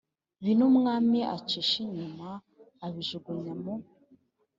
bine umwami abicisha icyuma abijugunya mu